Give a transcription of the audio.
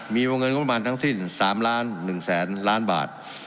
มีวงเงินทั้งสิ้นสามล้านหนึ่งแสนล้านบาท